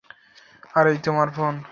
আর এই তোমার ফোন।